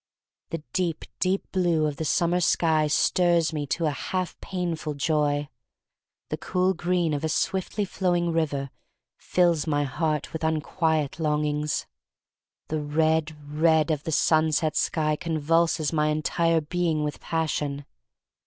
The deep, deep blue of the summer sky stirs me to, a half painful joy. The cool green of a swiftly flowing river fills my heart with unquiet longings. The red, red of the sunset sky convulses my entire being with passion.